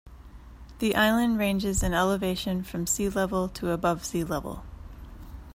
The island ranges in elevation from sea level to above sea level.